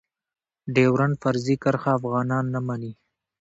ډيورنډ فرضي کرښه افغانان نه منی.